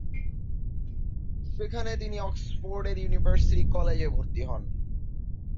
সেখানে তিনি অক্সফোর্ডের ইউনিভার্সিটি কলেজে ভর্তি হন।